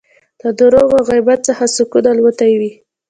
له درواغو او غیبت څخه سکون الوتی وي